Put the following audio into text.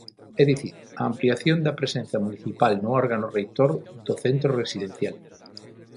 É dicir, a ampliación da presenza municipal no órgano reitor do centro residencial.